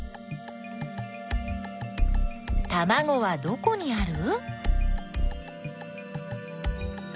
たまごはどこにある？